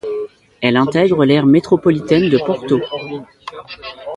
Elle intègre l'aire métropolitaine de Porto.